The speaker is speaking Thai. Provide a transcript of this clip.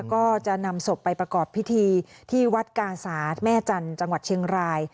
ก็จะนำศพไปประกอบพิธีที่วัดกาศาสแม่จันทร์จังหวัดเชียงราย